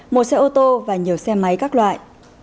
một xe ô tô và nhiều xe máy các loại